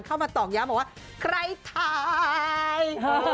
เข้ามาตอบย้ำว่าใครไถ่